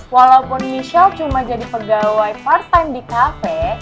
walaupun michelle cuma jadi pegawai part time di cafe